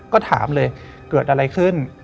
ก็ถามเลยเกิดอะไรขึ้น